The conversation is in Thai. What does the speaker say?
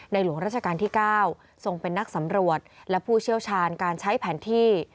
หลวงราชการที่๙ทรงเป็นนักสำรวจและผู้เชี่ยวชาญการใช้แผนที่